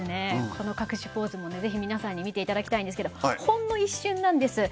この隠しポーズもね是非皆さんに見ていただきたいんですけどほんの一瞬なんです。